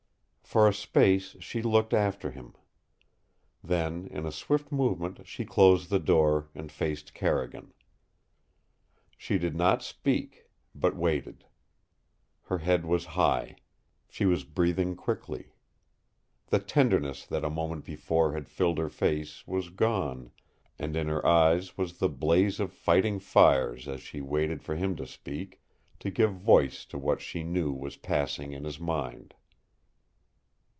For a space she looked after him. Then in a swift movement she closed the door and faced Carrigan. She did not speak, but waited. Her head was high. She was breathing quickly. The tenderness that a moment before had filled her face was gone, and in her eyes was the blaze of fighting fires as she waited for him to speak to give voice to what she knew was passing in his mind.